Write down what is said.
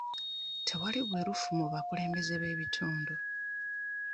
Tewali bwerufu mu bakulembeze b'ebitundu.